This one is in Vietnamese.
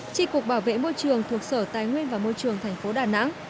tri cục bảo vệ môi trường thuộc sở tài nguyên và môi trường tp đà nẵng